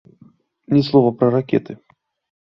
Ні слова пра ракеты.